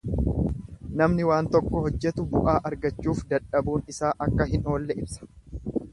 Namni waan tokko hojjetu bu'aa argachuuf dadhabuun isaa akka hin oolle ibsa.